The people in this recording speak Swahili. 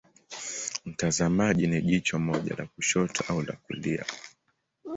Mtazamaji ni jicho moja la kushoto au la kulia.